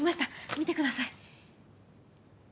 見てください。